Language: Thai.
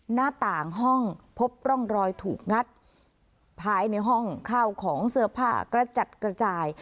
หน้าต่างห้องพบร่องรอยถูกงัดภายในห้องข้าวของเสื้อผ้ากระจัดกระจาย